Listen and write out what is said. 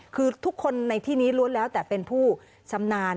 คือทุกคนในที่นี้ล้วนแล้วแต่เป็นผู้ชำนาญ